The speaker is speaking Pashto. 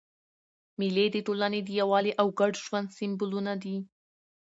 مېلې د ټولني د یووالي او ګډ ژوند سېمبولونه دي.